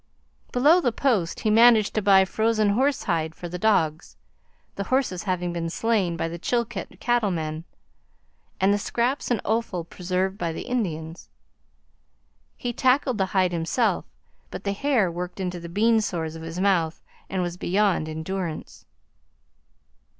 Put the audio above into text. Below the Post he managed to buy frozen horse hide for the dogs, the horses having been slain by the Chilkat cattle men, and the scraps and offal preserved by the Indians. He tackled the hide himself, but the hair worked into the bean sores of his mouth, and was beyond endurance.